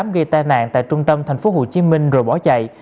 gây tai nạn tại trung tâm tp hcm rồi bỏ chạy